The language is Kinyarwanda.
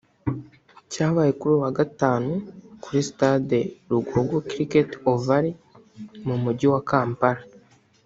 cyabaye kuri uyu wa Gatanu kuri Stade ya Lugogo Cricket Oval mu Mujyi wa Kampala